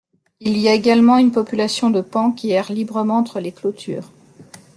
Il y a également une population de paons qui errent librement entre les clôtures.